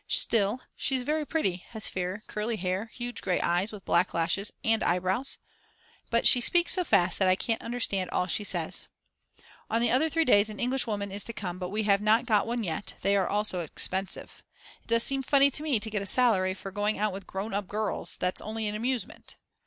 Still, she's very pretty, has fair curly hair, huge grey eyes with black lashes and eyebrows, but she speaks so fast that I can't understand all she says. On the other 3 days an Englishwoman is to come, but we have not got one yet, they are all so expensive. It does seem funny to me to get a salary for going out with grown up girls, that's only an amusement.